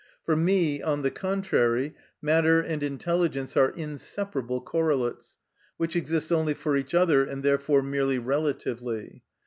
For me, on the contrary, matter and intelligence are inseparable correlates, which exist only for each other, and therefore merely relatively.